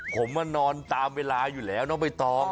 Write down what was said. ผมนอนตามเวลาอยู่แล้วนะอายตอง